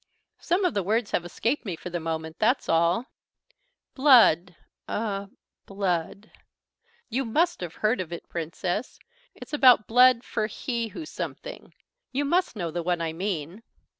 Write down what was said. Some of the words have escaped me for the moment, that's all. 'Blood er blood.' You must have heard of it, Princess: it's about blood for he who something; you must know the one I mean.